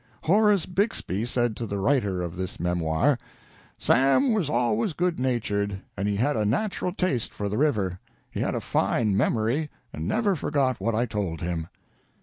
Horace Bixby said to the writer of this memoir: "Sam was always good natured, and he had a natural taste for the river. He had a fine memory and never forgot what I told him."